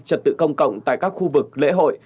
trật tự công cộng tại các khu vực lễ hội